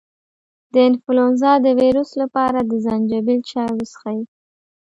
د انفلونزا د ویروس لپاره د زنجبیل چای وڅښئ